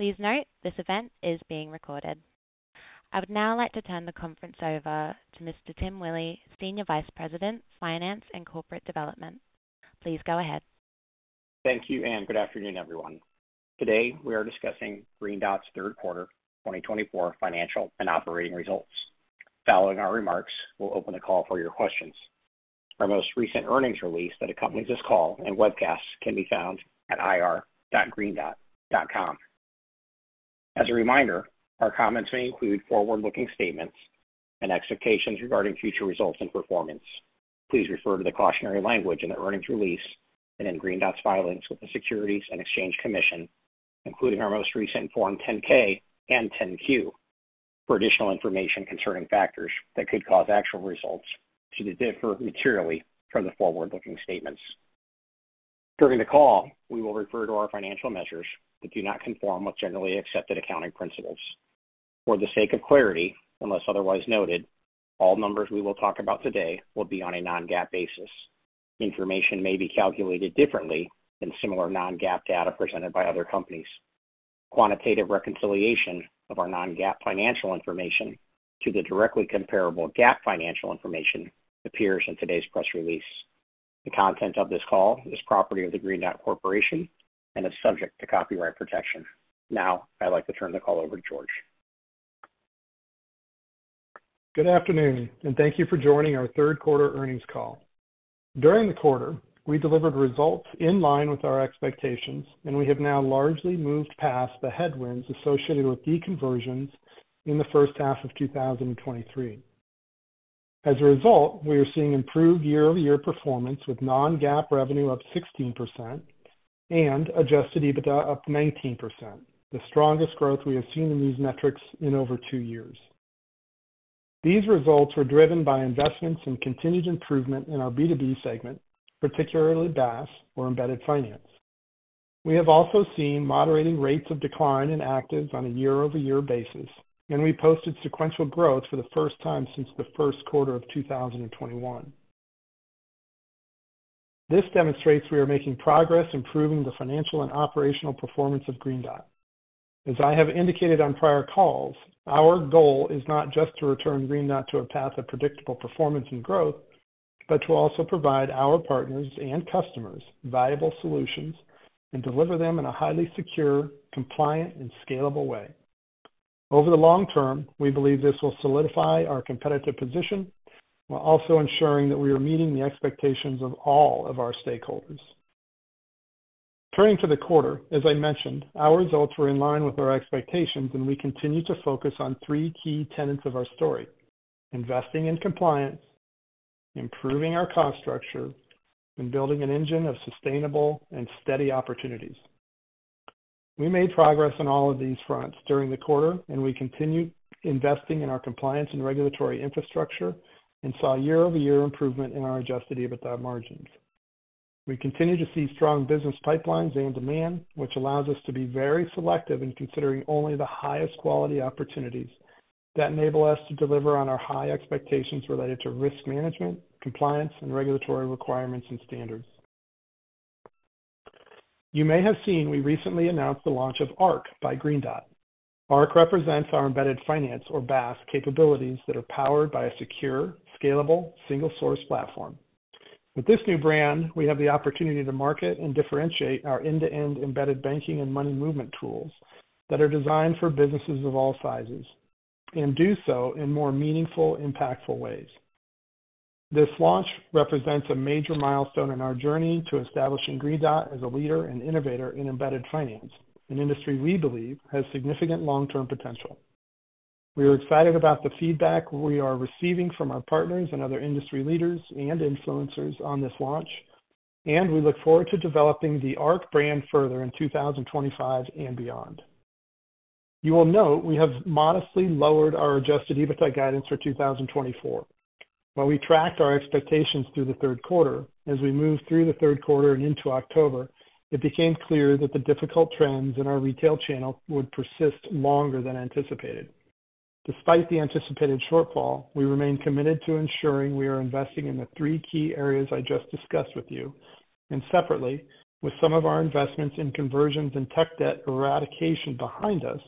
Please note this event is being recorded. I would now like to turn the conference over to Mr. Tim Willi, Senior Vice President, Finance and Corporate Development. Please go ahead. Thank you, and good afternoon, everyone. Today we are discussing Green Dot's Third Quarter 2024 Financial and Operating Results. Following our remarks, we'll open the call for your questions. Our most recent earnings release that accompanies this call and webcasts can be found at ir.greendot.com. As a reminder, our comments may include forward-looking statements and expectations regarding future results and performance. Please refer to the cautionary language in the earnings release and in Green Dot's filings with the Securities and Exchange Commission, including our most recent Form 10-K and 10-Q, for additional information concerning factors that could cause actual results to differ materially from the forward-looking statements. During the call, we will refer to our financial measures that do not conform with generally accepted accounting principles. For the sake of clarity, unless otherwise noted, all numbers we will talk about today will be on a non-GAAP basis. Information may be calculated differently than similar non-GAAP data presented by other companies. Quantitative reconciliation of our non-GAAP financial information to the directly comparable GAAP financial information appears in today's press release. The content of this call is property of the Green Dot Corporation and is subject to copyright protection. Now, I'd like to turn the call over to George. Good afternoon, and thank you for joining our third quarter earnings call. During the quarter, we delivered results in line with our expectations, and we have now largely moved past the headwinds associated with deconversions in the first half of 2023. As a result, we are seeing improved year-over-year performance with Non-GAAP revenue up 16% and Adjusted EBITDA up 19%, the strongest growth we have seen in these metrics in over two years. These results were driven by investments and continued improvement in our B2B segment, particularly Baas or embedded finance. We have also seen moderating rates of decline in actives on a year-over-year basis, and we posted sequential growth for the first time since the first quarter of 2021. This demonstrates we are making progress, improving the financial and operational performance of Green Dot. As I have indicated on prior calls, our goal is not just to return Green Dot to a path of predictable performance and growth, but to also provide our partners and customers viable solutions and deliver them in a highly secure, compliant, and scalable way. Over the long term, we believe this will solidify our competitive position while also ensuring that we are meeting the expectations of all of our stakeholders. Turning to the quarter, as I mentioned, our results were in line with our expectations, and we continue to focus on three key tenets of our story: investing in compliance, improving our cost structure, and building an engine of sustainable and steady opportunities. We made progress on all of these fronts during the quarter, and we continue investing in our compliance and regulatory infrastructure and saw year-over-year improvement in our Adjusted EBITDA margins. We continue to see strong business pipelines and demand, which allows us to be very selective in considering only the highest quality opportunities that enable us to deliver on our high expectations related to risk management, compliance, and regulatory requirements and standards. You may have seen we recently announced the launch of Arc by Green Dot. Arc represents our embedded finance, or Baas, capabilities that are powered by a secure, scalable, single-source platform. With this new brand, we have the opportunity to market and differentiate our end-to-end embedded banking and money movement tools that are designed for businesses of all sizes and do so in more meaningful, impactful ways. This launch represents a major milestone in our journey to establishing Green Dot as a leader and innovator in embedded finance, an industry we believe has significant long-term potential. We are excited about the feedback we are receiving from our partners and other industry leaders and influencers on this launch, and we look forward to developing the Arc brand further in 2025 and beyond. You will note we have modestly lowered our Adjusted EBITDA guidance for 2024. While we tracked our expectations through the third quarter, as we moved through the third quarter and into October, it became clear that the difficult trends in our retail channel would persist longer than anticipated. Despite the anticipated shortfall, we remain committed to ensuring we are investing in the three key areas I just discussed with you, and separately, with some of our investments in conversions and tech debt eradication behind us,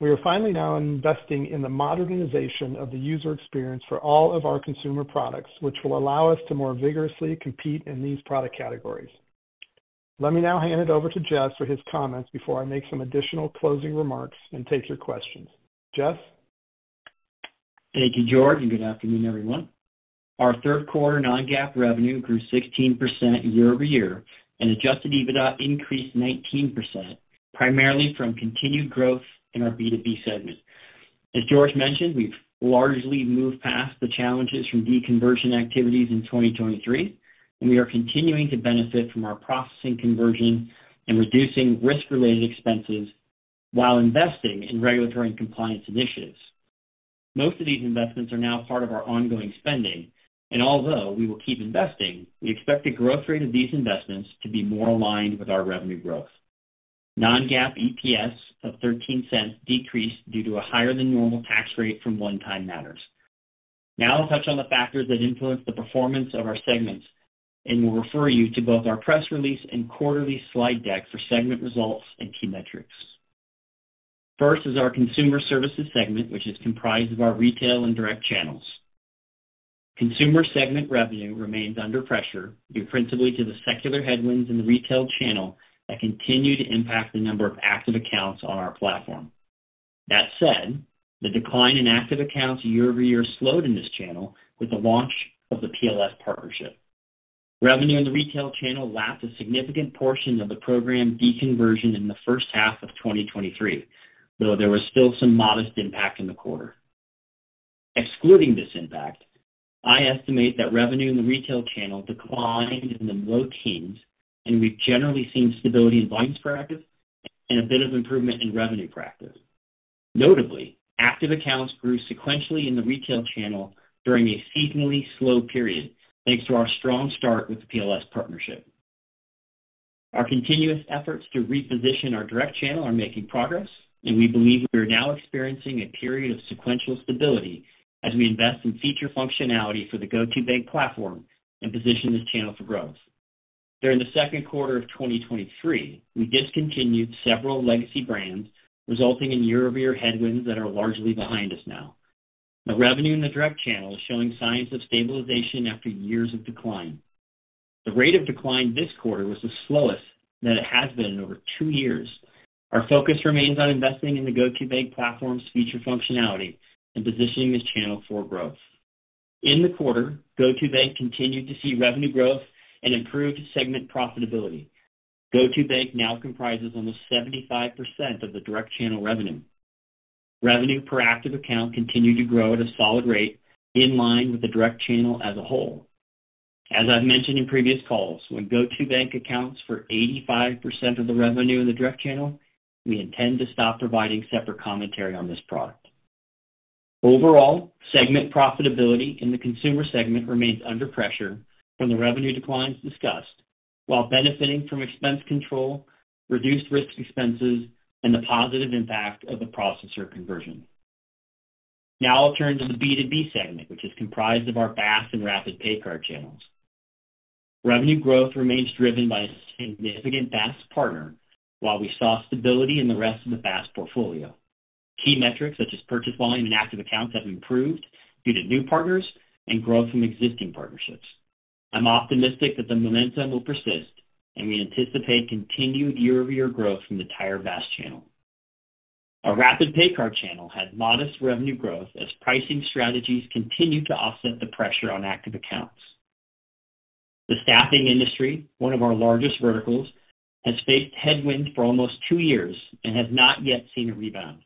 we are finally now investing in the modernization of the user experience for all of our consumer products, which will allow us to more vigorously compete in these product categories. Let me now hand it over to Jess for his comments before I make some additional closing remarks and take your questions. Jess? Thank you, George, and good afternoon, everyone. Our third quarter non-GAAP revenue grew 16% year-over-year, and adjusted EBITDA increased 19%, primarily from continued growth in our B2B segment. As George mentioned, we've largely moved past the challenges from deconversion activities in 2023, and we are continuing to benefit from our processing conversion and reducing risk-related expenses while investing in regulatory and compliance initiatives. Most of these investments are now part of our ongoing spending, and although we will keep investing, we expect the growth rate of these investments to be more aligned with our revenue growth. Non-GAAP EPS of $0.13 decreased due to a higher-than-normal tax rate from one-time matters. Now I'll touch on the factors that influence the performance of our segments, and we'll refer you to both our press release and quarterly slide deck for segment results and key metrics. First is our consumer services segment, which is comprised of our retail and direct channels. Consumer segment revenue remains under pressure due principally to the secular headwinds in the retail channel that continue to impact the number of active accounts on our platform. That said, the decline in active accounts year-over-year slowed in this channel with the launch of the PLS partnership. Revenue in the retail channel lapped a significant portion of the program deconversion in the first half of 2023, though there was still some modest impact in the quarter. Excluding this impact, I estimate that revenue in the retail channel declined in the low teens, and we've generally seen stability in volumes for active and a bit of improvement in revenue for active. Notably, active accounts grew sequentially in the retail channel during a seasonally slow period thanks to our strong start with the PLS partnership. Our continuous efforts to reposition our direct channel are making progress, and we believe we are now experiencing a period of sequential stability as we invest in feature functionality for the GO2bank platform and position this channel for growth. During the second quarter of 2023, we discontinued several legacy brands, resulting in year-over-year headwinds that are largely behind us now. The revenue in the direct channel is showing signs of stabilization after years of decline. The rate of decline this quarter was the slowest that it has been in over two years. Our focus remains on investing in the GO2bank platform's feature functionality and positioning this channel for growth. In the quarter, GO2bank continued to see revenue growth and improved segment profitability. GO2bank now comprises almost 75% of the direct channel revenue. Revenue per active account continued to grow at a solid rate in line with the direct channel as a whole. As I've mentioned in previous calls, when GO2bank accounts for 85% of the revenue in the direct channel, we intend to stop providing separate commentary on this product. Overall, segment profitability in the consumer segment remains under pressure from the revenue declines discussed, while benefiting from expense control, reduced risk expenses, and the positive impact of the processor conversion. Now I'll turn to the B2B segment, which is comprised of our Baas and Rapid PayCard channels. Revenue growth remains driven by a significant Baas partner, while we saw stability in the rest of the Baas portfolio. Key metrics such as purchase volume and active accounts have improved due to new partners and growth from existing partnerships. I'm optimistic that the momentum will persist, and we anticipate continued year-over-year growth from the tier Baas channel. Our Rapid PayCard channel had modest revenue growth as pricing strategies continued to offset the pressure on active accounts. The staffing industry, one of our largest verticals, has faced headwinds for almost two years and has not yet seen a rebound.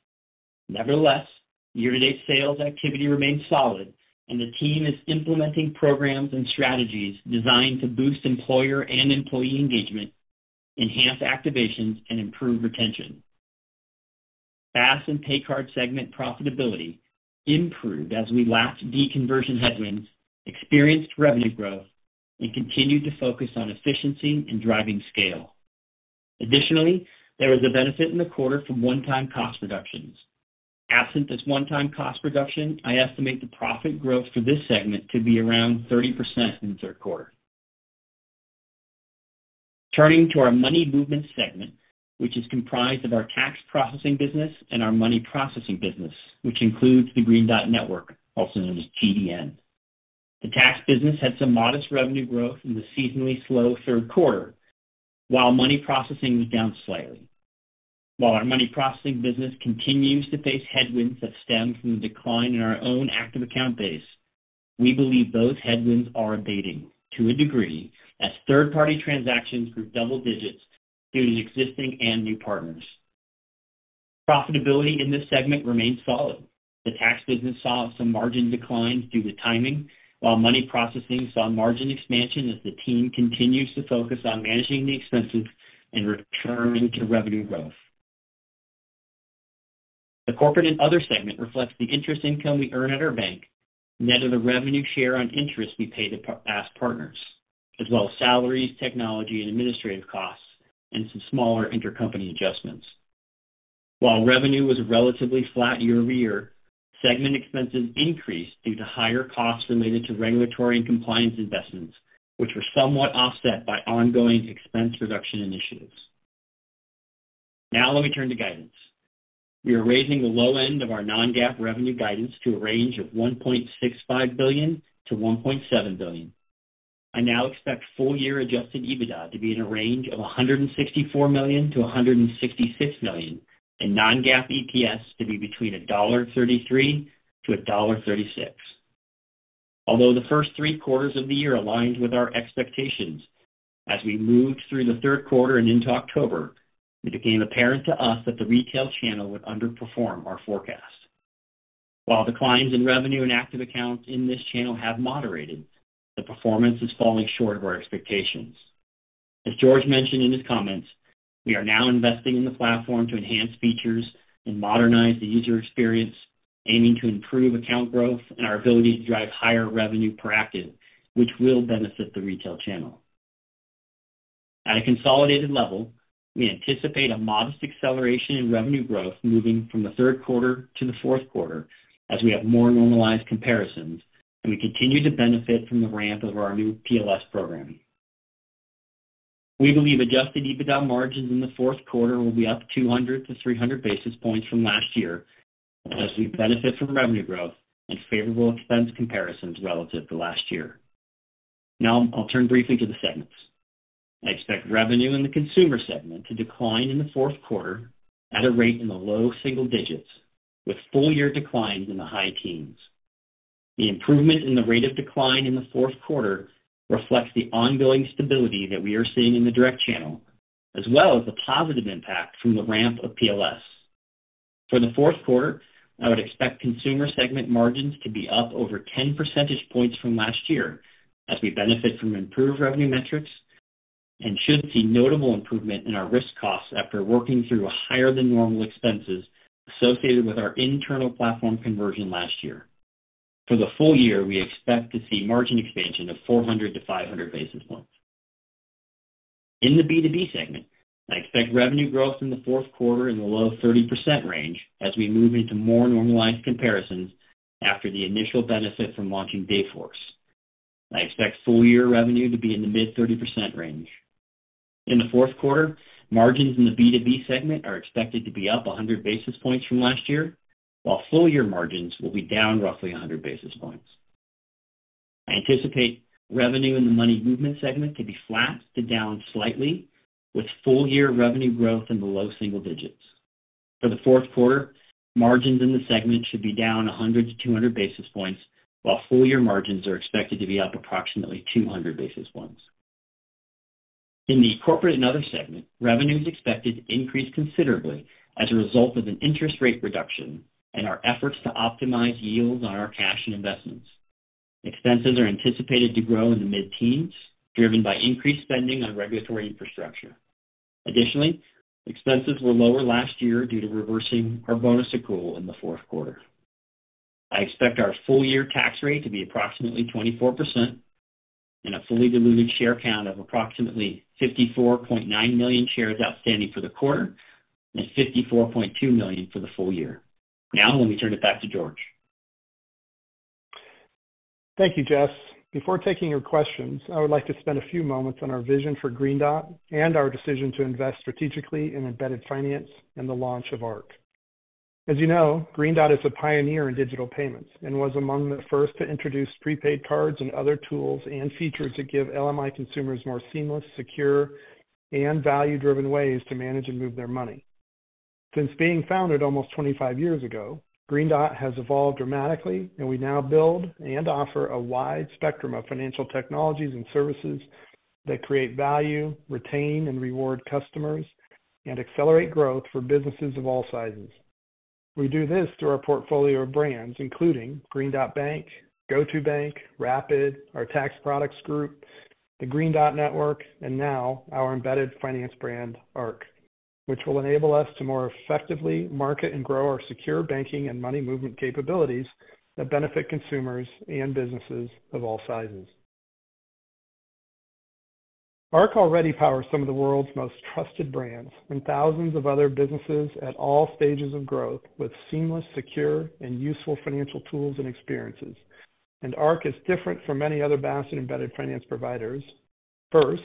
Nevertheless, year-to-date sales activity remains solid, and the team is implementing programs and strategies designed to boost employer and employee engagement, enhance activations, and improve retention. Baas and pay card segment profitability improved as we lapped deconversion headwinds, experienced revenue growth, and continued to focus on efficiency and driving scale. Additionally, there was a benefit in the quarter from one-time cost reductions. Absent this one-time cost reduction, I estimate the profit growth for this segment to be around 30% in the third quarter. Turning to our money movement segment, which is comprised of our tax processing business and our money processing business, which includes the Green Dot Network, also known as GDN. The tax business had some modest revenue growth in the seasonally slow third quarter, while money processing was down slightly. While our money processing business continues to face headwinds that stem from the decline in our own active account base, we believe both headwinds are abating to a degree as third-party transactions grew double digits due to existing and new partners. Profitability in this segment remains solid. The tax business saw some margin declines due to timing, while money processing saw margin expansion as the team continues to focus on managing the expenses and returning to revenue growth. The corporate and other segment reflects the interest income we earn at our bank, net of the revenue share on interest we pay to Baas partners, as well as salaries, technology, and administrative costs, and some smaller intercompany adjustments. While revenue was relatively flat year-over-year, segment expenses increased due to higher costs related to regulatory and compliance investments, which were somewhat offset by ongoing expense reduction initiatives. Now let me turn to guidance. We are raising the low end of our non-GAAP revenue guidance to a range of $1.65 billion-$1.7 billion. I now expect full-year Adjusted EBITDA to be in a range of $164 million-$166 million, and non-GAAP EPS to be between $1.33-$1.36. Although the first three quarters of the year aligned with our expectations as we moved through the third quarter and into October, it became apparent to us that the retail channel would underperform our forecast. While declines in revenue and active accounts in this channel have moderated, the performance is falling short of our expectations. As George mentioned in his comments, we are now investing in the platform to enhance features and modernize the user experience, aiming to improve account growth and our ability to drive higher revenue per active, which will benefit the retail channel. At a consolidated level, we anticipate a modest acceleration in revenue growth moving from the third quarter to the fourth quarter as we have more normalized comparisons and we continue to benefit from the ramp of our new PLS programming. We believe Adjusted EBITDA margins in the fourth quarter will be up 200-300 basis points from last year as we benefit from revenue growth and favorable expense comparisons relative to last year. Now I'll turn briefly to the segments. I expect revenue in the consumer segment to decline in the fourth quarter at a rate in the low single digits, with full-year declines in the high teens. The improvement in the rate of decline in the fourth quarter reflects the ongoing stability that we are seeing in the direct channel, as well as the positive impact from the ramp of PLS. For the fourth quarter, I would expect consumer segment margins to be up over 10 percentage points from last year as we benefit from improved revenue metrics and should see notable improvement in our risk costs after working through higher-than-normal expenses associated with our internal platform conversion last year. For the full year, we expect to see margin expansion of 400-500 basis points. In the B2B segment, I expect revenue growth in the fourth quarter in the low-30% range as we move into more normalized comparisons after the initial benefit from launching Dayforce. I expect full-year revenue to be in the mid-30% range. In the fourth quarter, margins in the B2B segment are expected to be up 100 basis points from last year, while full-year margins will be down roughly 100 basis points. I anticipate revenue in the money movement segment to be flat to down slightly, with full-year revenue growth in the low single digits. For the fourth quarter, margins in the segment should be down 100-200 basis points, while full-year margins are expected to be up approximately 200 basis points. In the corporate and other segment, revenue is expected to increase considerably as a result of an interest rate reduction and our efforts to optimize yields on our cash and investments. Expenses are anticipated to grow in the mid-teens, driven by increased spending on regulatory infrastructure. Additionally, expenses were lower last year due to reversing our bonus accrual in the fourth quarter. I expect our full-year tax rate to be approximately 24% and a fully diluted share count of approximately 54.9 million shares outstanding for the quarter and 54.2 million for the full year. Now let me turn it back to George. Thank you, Jess. Before taking your questions, I would like to spend a few moments on our vision for Green Dot and our decision to invest strategically in embedded finance and the launch of Arc. As you know, Green Dot is a pioneer in digital payments and was among the first to introduce prepaid cards and other tools and features that give LMI consumers more seamless, secure, and value-driven ways to manage and move their money. Since being founded almost 25 years ago, Green Dot has evolved dramatically, and we now build and offer a wide spectrum of financial technologies and services that create value, retain, and reward customers, and accelerate growth for businesses of all sizes. We do this through our portfolio of brands, including Green Dot Bank, GO2bank, Rapid, our tax products group, the Green Dot Network, and now our embedded finance brand, Arc, which will enable us to more effectively market and grow our secure banking and money movement capabilities that benefit consumers and businesses of all sizes. Arc already powers some of the world's most trusted brands and thousands of other businesses at all stages of growth with seamless, secure, and useful financial tools and experiences, and Arc is different from many other Baas and embedded finance providers. First,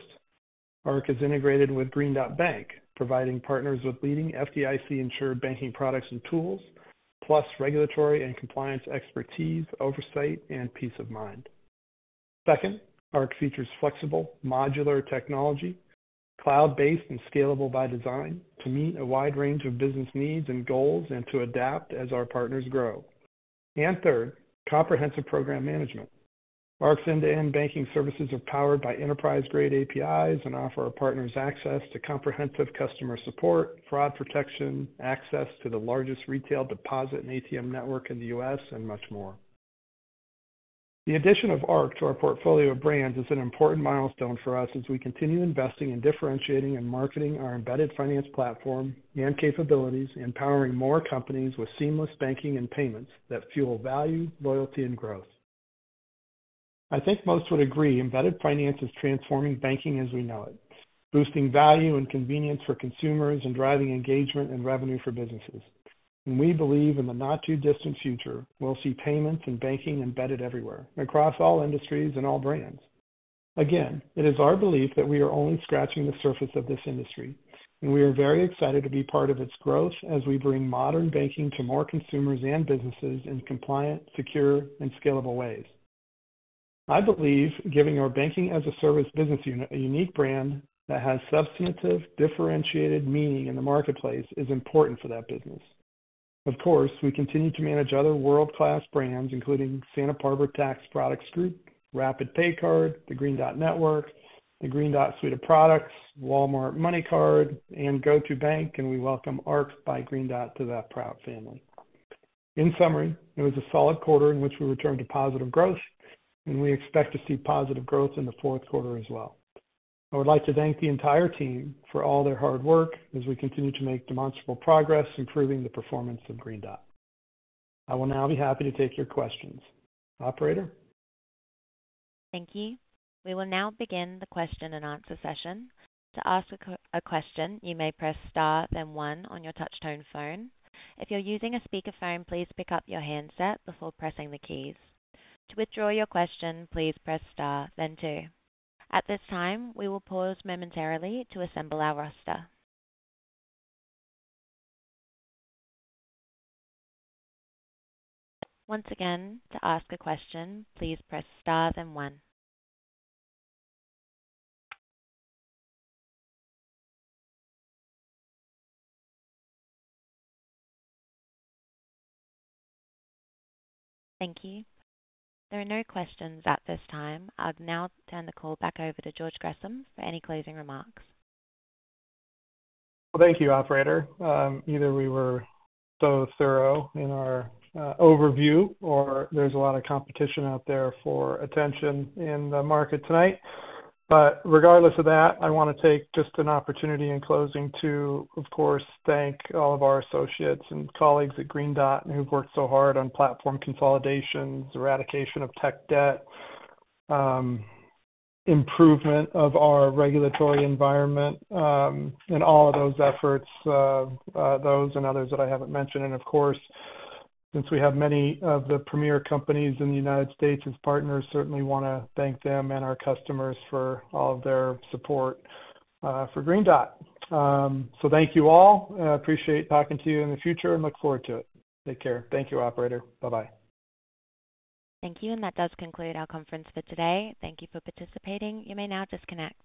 Arc is integrated with Green Dot Bank, providing partners with leading FDIC-insured banking products and tools, plus regulatory and compliance expertise, oversight, and peace of mind. Second, Arc features flexible, modular technology, cloud-based and scalable by design to meet a wide range of business needs and goals and to adapt as our partners grow. And third, comprehensive program management. Arc's end-to-end banking services are powered by enterprise-grade APIs and offer our partners access to comprehensive customer support, fraud protection, access to the largest retail deposit and ATM network in the U.S., and much more. The addition of Arc to our portfolio of brands is an important milestone for us as we continue investing in differentiating and marketing our embedded finance platform and capabilities, empowering more companies with seamless banking and payments that fuel value, loyalty, and growth. I think most would agree embedded finance is transforming banking as we know it, boosting value and convenience for consumers and driving engagement and revenue for businesses. And we believe in the not-too-distant future, we'll see payments and banking embedded everywhere across all industries and all brands. Again, it is our belief that we are only scratching the surface of this industry, and we are very excited to be part of its growth as we bring modern banking to more consumers and businesses in compliant, secure, and scalable ways. I believe giving our banking-as-a-service business unit a unique brand that has substantive, differentiated meaning in the marketplace is important for that business. Of course, we continue to manage other world-class brands, including Santa Barbara Tax Products Group, Rapid PayCard, the Green Dot Network, the Green Dot Suite of Products, Walmart MoneyCard, and GO2bank, and we welcome Arc by Green Dot to that proud family. In summary, it was a solid quarter in which we returned to positive growth, and we expect to see positive growth in the fourth quarter as well. I would like to thank the entire team for all their hard work as we continue to make demonstrable progress improving the performance of Green Dot. I will now be happy to take your questions. Operator. Thank you. We will now begin the question and answer session. To ask a question, you may press star, then one on your touch-tone phone. If you're using a speakerphone, please pick up your handset before pressing the keys. To withdraw your question, please press star, then two. At this time, we will pause momentarily to assemble our roster. Once again, to ask a question, please press star, then one. Thank you. There are no questions at this time. I'll now turn the call back over to George Gresham for any closing remarks. Thank you, Operator. Either we were so thorough in our overview, or there's a lot of competition out there for attention in the market tonight. But regardless of that, I want to take just an opportunity in closing to, of course, thank all of our associates and colleagues at Green Dot who've worked so hard on platform consolidations, eradication of tech debt, improvement of our regulatory environment, and all of those efforts, those and others that I haven't mentioned. And of course, since we have many of the premier companies in the United States as partners, certainly want to thank them and our customers for all of their support for Green Dot. So thank you all. I appreciate talking to you in the future and look forward to it. Take care. Thank you, Operator. Bye-bye. Thank you. And that does conclude our conference for today. Thank you for participating. You may now disconnect.